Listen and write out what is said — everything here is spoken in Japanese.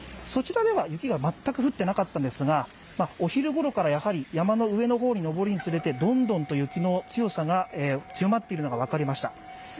そちらでは雪が全く降っていなかったんですが、お昼ごろから山の上の方に上るにつれてどんどんと雪が強まっているのが分かりました。